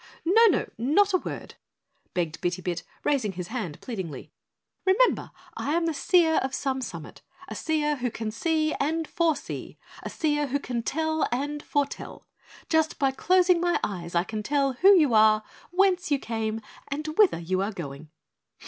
"No, no, not a word," begged Bitty Bit, raising his hand pleadingly. "Remember, I am the Seer of Some Summit, a seer who can see and foresee; a seer who can tell and foretell. Just by closing my eyes I can tell who you are, whence you came, and whither you are going."